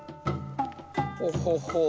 ほほほう